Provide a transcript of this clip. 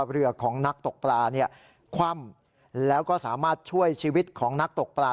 เรือของนักตกปลาเนี่ยคว่ำแล้วก็สามารถช่วยชีวิตของนักตกปลา